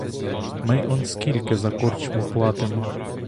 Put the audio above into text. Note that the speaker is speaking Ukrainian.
Ми он скільки за корчму платимо.